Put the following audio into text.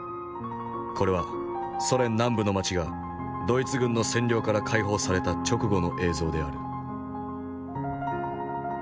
これはソ連南部の町がドイツ軍の占領から解放された直後の映像である。